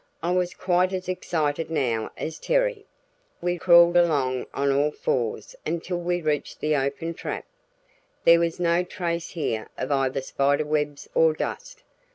I was quite as excited now as Terry. We crawled along on all fours until we reached the open trap; there was no trace here of either spider webs or dust.